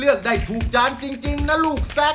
เลือกได้ถูกจานจริงนะลูกแซค